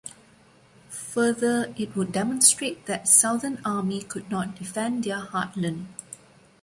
Further it would demonstrate that Southern Army could not defend their heartland.